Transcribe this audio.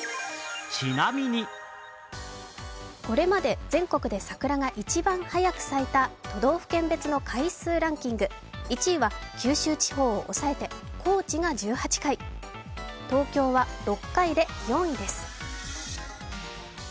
これまで全国で桜が一番速く咲いた都道府県別の回数ランキング、１位は、九州地方を抑えて高知が１８回東京は６回で４位です。